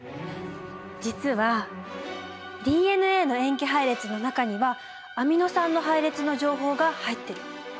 実はＤＮＡの塩基配列の中にはアミノ酸の配列の情報が入ってる。